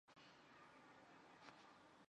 羚角密刺蟹为蜘蛛蟹科密刺蟹属的动物。